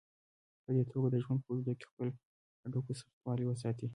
په دې توګه د ژوند په اوږدو کې خپلو هډوکو سختوالی وساتئ.